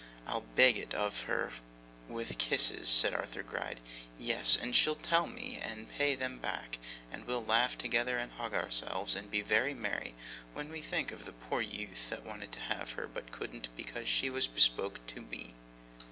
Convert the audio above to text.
I'll beg it of her with kisses,' said Arthur Gride. 'Yes, and she'll tell me, and pay them back, and we'll laugh together, and hug ourselves, and be very merry, when we think of the poor youth that wanted to have her, but couldn't because she was bespoke by me!